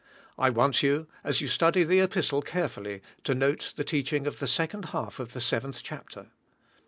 I want you, as you study the Epistle carefully, to note the teaching of the second half of the seventh chapter.